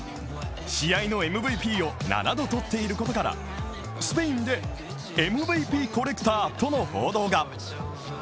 試合のＭＶＰを７度取っていることからスペインでＭＶＰコレクターとの報道が。